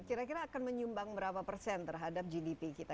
kira kira akan menyumbang berapa persen terhadap gdp kita